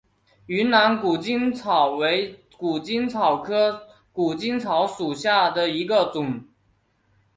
云南谷精草为谷精草科谷精草属下的一个种。